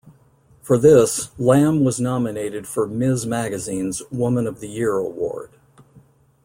For this, Lamm was nominated for "Ms." magazine's "Woman Of The Year" award.